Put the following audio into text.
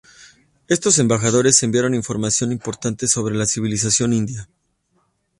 Estos embajadores enviaron información importante sobre la civilización india.